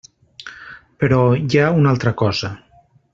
Però hi ha una altra cosa.